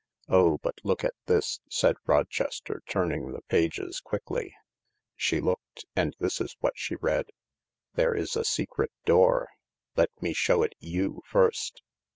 " Oh, but look at this!" said Rochester, turning the pages quickly. She looked. And this is what she read :" There is a secret door. Let me show it you first."